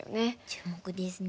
注目ですね。